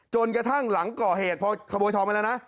กระทั่งหลังก่อเหตุพอขโมยทองไปแล้วนะ